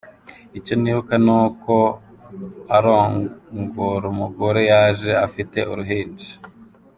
Icyo nibuka ni uko arongoraumugore yaje afite uruhinja.